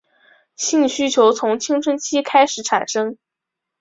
性需求从青春期开始产生。